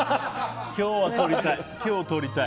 今日はとりたい！